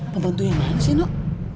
pembantu yang mana sih dok